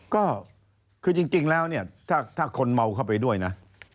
ก็คือจริงแล้วเนี่ยถ้าคนเมาเข้าไปด้วยนะ